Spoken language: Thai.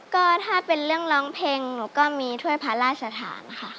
ก็ถ้าเป็นเรื่องร้องเพลงหนูก็มีถ้วยพระราชทานค่ะ